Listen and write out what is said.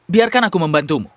biarkan aku membantumu